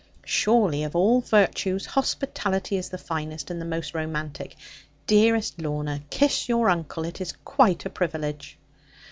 Surely of all virtues, hospitality is the finest, and the most romantic. Dearest Lorna, kiss your uncle; it is quite a privilege.'